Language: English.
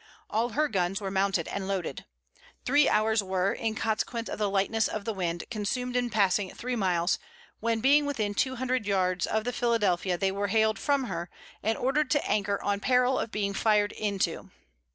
All her guns were mounted and loaded. Three hours were, in consequence of the lightness of the wind, consumed in passing three miles, when being within two hundred yards of the Philadelphia, they were hailed from her, and ordered to anchor on peril of being fired into.